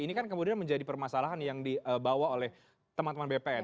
ini kan kemudian menjadi permasalahan yang dibawa oleh teman teman bpn